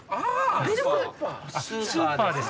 スーパーですか。